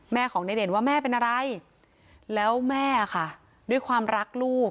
ของในเด่นว่าแม่เป็นอะไรแล้วแม่ค่ะด้วยความรักลูก